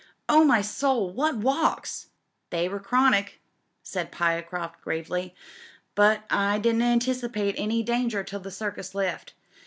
"Oh my soul, what walks!" "They were chronic," said Pyecroft gravely, "but I didn't anticipate any danger till the Circus left.